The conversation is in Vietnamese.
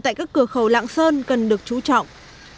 tại các cửa khẩu lạng sơn cần được chú trọng